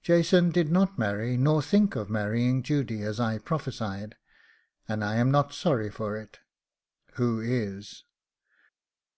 Jason did not marry, nor think of marrying Judy, as I prophesied, and I am not sorry for it: who is?